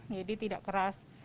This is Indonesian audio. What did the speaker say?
jadi tidak keras